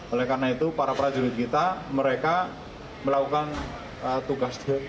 oleh karena itu para prajurit kita mereka melakukan tugas